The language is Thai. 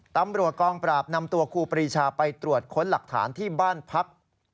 ตำรวจกองปราบนำตัวครูปรีชาไปตรวจค้นหลักฐานที่บ้านพัก